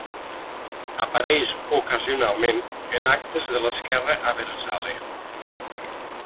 Apareix ocasionalment en actes de l'esquerra abertzale.